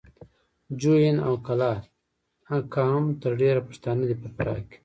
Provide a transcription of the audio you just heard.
جوین او قلعه کا هم تر ډېره پښتانه دي په فراه کې